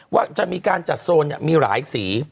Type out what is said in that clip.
ว่าจะมีการจัดโซนมีหลายสี